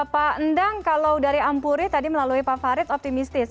pak endang kalau dari ampuri tadi melalui pak farid optimistis